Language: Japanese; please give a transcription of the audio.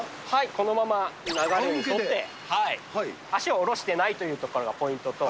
このまま流れに沿って足を降ろしてないということがポイントと。